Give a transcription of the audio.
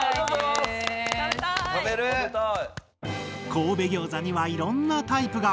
神戸ギョーザにはいろんなタイプが！